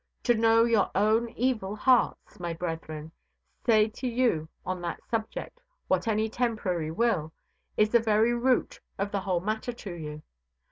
To know your own evil hearts, my brethren, say to you on that subject what any Temporary will, is the very root of the whole matter to you.